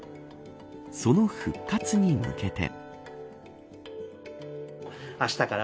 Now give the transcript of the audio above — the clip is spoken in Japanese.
その復活に向けて。